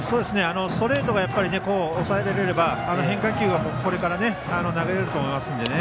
ストレートで抑えられれば変化球はこれから投げれると思いますので。